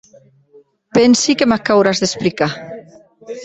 Pensi que m'ac auràs d'explicar.